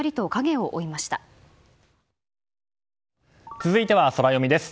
続いては、ソラよみです。